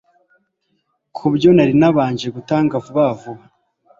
kubyo nari nabanje gutanga vuba vuba